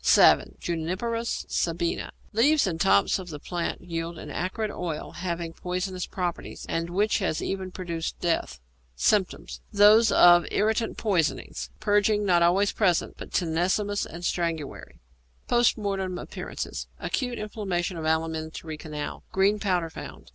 =Savin= (Juniperus Sabina). Leaves and tops of the plant yield an acrid oil having poisonous properties, and which has even produced death. Symptoms. Those of irritant poisons. Purging not always present, but tenesmus and strangury. Post Mortem Appearances. Acute inflammation of alimentary canal. Green powder found.